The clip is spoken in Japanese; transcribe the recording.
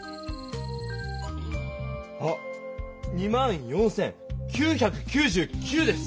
あ２４９９９です。